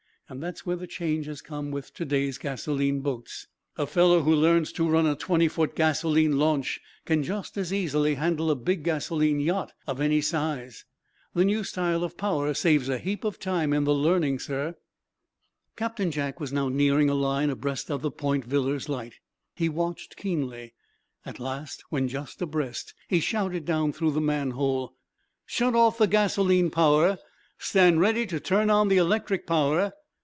That's where the change has come with to day's gasoline boats. A fellow who learns to run a twenty foot gasoline launch can just as easily handle a big gasoline yacht of any size. The new style of power saves a heap of time in the learning, sir." Captain Jack was now nearing a line abreast of the Point Villars light. He watched keenly. At last, when just abreast, he shouted down through the manhole: "Shut off the gasoline power. Stand ready to turn on the electric power.